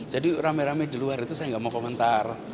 jadi rame rame di luar itu saya enggak mau komentar